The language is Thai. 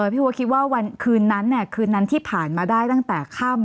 พี่บัวคิดว่าวันคืนนั้นคืนนั้นที่ผ่านมาได้ตั้งแต่ค่ำ